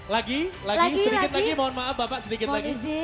lagi lagi sedikit lagi mohon maaf bapak sedikit lagi